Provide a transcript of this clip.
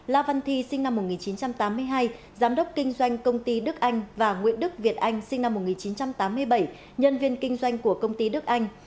la văn thi sinh năm một nghìn chín trăm tám mươi hai giám đốc kinh doanh công ty đức anh và nguyễn đức việt anh sinh năm một nghìn chín trăm tám mươi bảy nhân viên kinh doanh của công ty đức anh